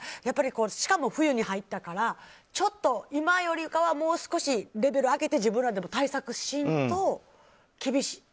しかも冬に入ったからちょっと、今よりかはもう少しレベルを上げて自分らでも対策をしんと厳しい。